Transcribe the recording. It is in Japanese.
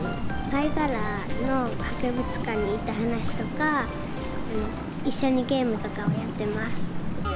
貝殻の博物館に行った話とか、一緒にゲームとかをやってます。